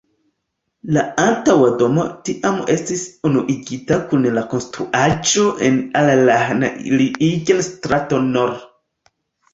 La antaŭa domo tiam estis unuigita kun la konstruaĵo en Allerheiligen-strato nr.